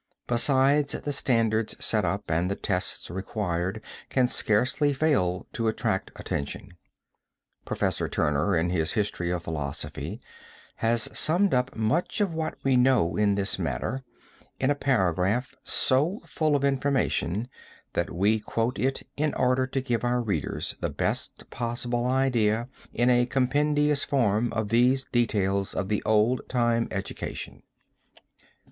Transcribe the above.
Besides the standards set up and the tests required can scarcely fail to attract attention. Professor Turner, in his History of Philosophy, has summed up much of what we know in this matter in a paragraph so full of information that we quote it in order to give our readers the best possible idea in a compendious form of these details of the old time education.